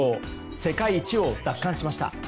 世界一を奪還しました。